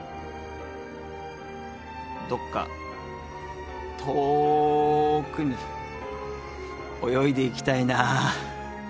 どっかとおくに泳いでいきたいな。